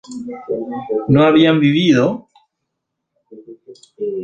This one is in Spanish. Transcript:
¿no habían vivido?